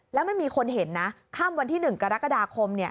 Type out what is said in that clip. แล้วมันมีคนเห็นนะค่ำวันที่๑กรกฎาคม